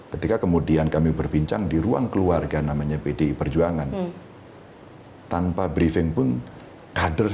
ketika kemudian kami berbincang di ruang keluarga namanya pdi perjuangan tanpa briefing pun kader